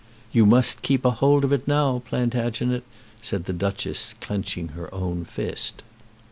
"You must keep a hold of it now, Plantagenet," said the Duchess, clenching her own fist.